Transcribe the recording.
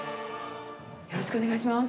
よろしくお願いします。